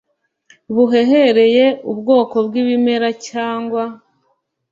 buhehereye ubwoko bw ibimera cyangwa